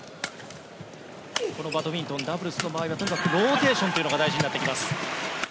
このバドミントンダブルスの場合はとにかくローテーションというのが大事になってきます。